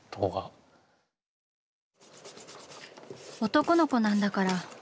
「男の子なんだから」。